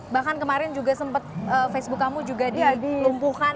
bahkan kemarin juga sempat facebook kamu juga dilumpuhkan